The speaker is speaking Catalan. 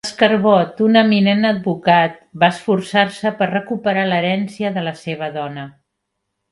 Lescarbot, un eminent advocat, va esforçar-se per recuperar l'herència de la seva dona.